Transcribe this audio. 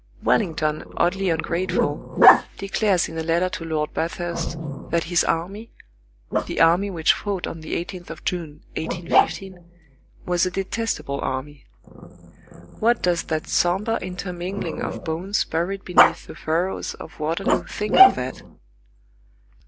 Wellington, oddly ungrateful, declares in a letter to Lord Bathurst, that his army, the army which fought on the 18th of June, 1815, was a "detestable army." What does that sombre intermingling of bones buried beneath the furrows of Waterloo think of that?